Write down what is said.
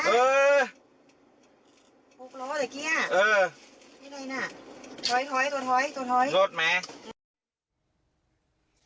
ติดรอตะขี้ละ